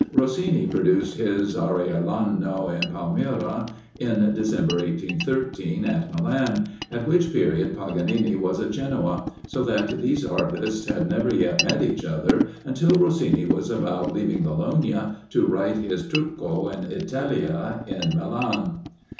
Rossini produced his "Aureliano in Palmira," in December, 1813, at Milan, at which period Paganini was at Genoa, so that these artists had never yet met each other until Rossini was about leaving Bologna, to write his "Turco in Italia," at Milan.